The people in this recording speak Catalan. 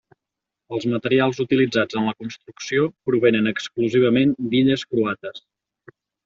Els materials utilitzats en la construcció provenen exclusivament d'illes croates: